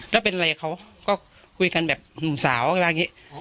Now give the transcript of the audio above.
แล้วเป็นอะไรเขาก็คุยกันแบบหนุ่มสาวว่าอย่างนี้